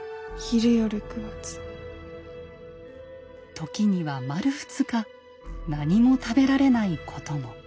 時には丸２日何も食べられないことも。